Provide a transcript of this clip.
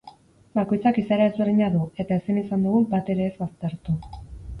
Bakoitzak izaera ezberdina du, eta ezin izan dugu bat ere ez baztertu.